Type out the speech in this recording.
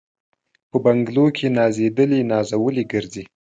په بنګلو کي نازېدلي نازولي ګرځي